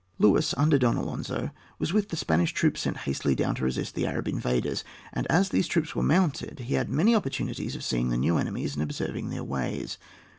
Luis, under Don Alonzo, was with the Spanish troops sent hastily down to resist the Arab invaders, and, as these troops were mounted, he had many opportunities of seeing the new enemies and observing their ways.